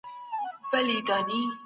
فلسفې بحثونه د مذهب پرته هم شتون لري.